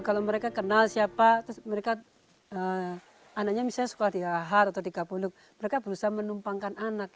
kalau mereka kenal siapa anaknya misalnya sekolah di lahar atau di kabupung mereka berusaha menumpangkan anak